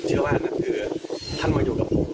เชื่อว่านั่นคือท่านมาอยู่กับผม